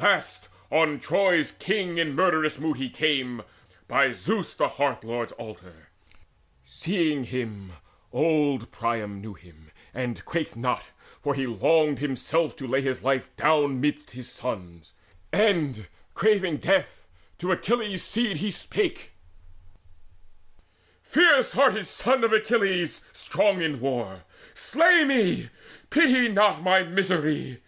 Last, on Troy's king in murderous mood he came. By Zeus the Hearth lord's altar. Seeing him, Old Priam knew him and quaked not; for he longed Himself to lay his life down midst his sons; And craving death to Achilles' seed he spake: "Fierce hearted son of Achilles strong in war, Slay me, and pity not my misery.